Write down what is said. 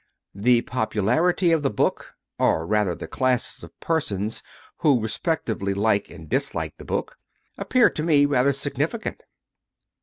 J 2. The popularity of the book or rather, the classes of persons who, respectively, like and dislike the book appears to me rather significant.